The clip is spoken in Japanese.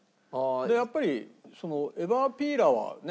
やっぱりエバーピーラーはね